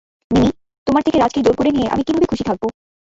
মিমি, তোমার থেকে রাজ-কে জোর করে নিয়ে, আমি কিভাবে খুশী থাকবো।